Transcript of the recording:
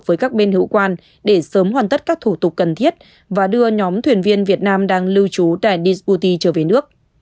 với các bên hữu quan để sớm hoàn tất các thủ tục cần thiết và đưa nhóm thuyền viên việt nam đang lưu trú tại duty trở về nước